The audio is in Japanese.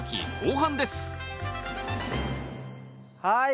はい